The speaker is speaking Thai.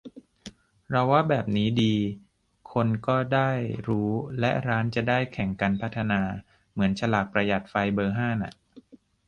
เราว่าแบบนี้ดี คนก็ได้รู้ และร้านจะได้แข่งกันพัฒนา เหมือนฉลากประหยัดไฟเบอร์ห้าน่ะ